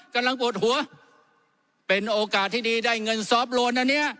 กำลังปวดหัวเป็นโอกาสที่ดีได้เงินซอฟต์โลนอันนี้